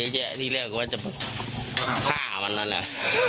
แยะที่เรียกว่าจะฆ่ามันนั่นแหละ